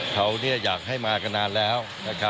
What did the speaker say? เขาอยากให้มากันนานแล้ว